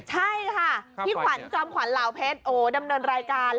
ใช่ค่ะพี่ขวัญจอมขวัญเหล่าเพชรโอ้ดำเนินรายการ